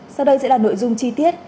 sau đây sẽ là nội dung chi tiết